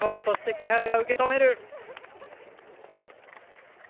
そして、木原が受け止める。